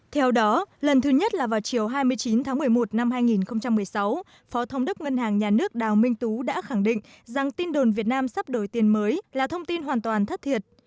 theo đó lần thứ nhất là vào chiều hai mươi chín tháng một mươi một năm hai nghìn một mươi sáu phó thống đốc ngân hàng nhà nước đào minh tú đã khẳng định rằng tin đồn việt nam sắp đổi tiền mới là thông tin hoàn toàn thất thiệt